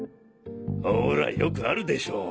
ほらよくあるでしょ。